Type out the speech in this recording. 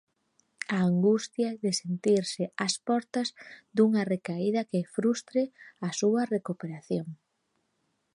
A angustia de sentirse ás portas dunha recaída que frustre a súa recuperación.